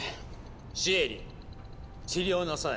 シエリ治療なさい。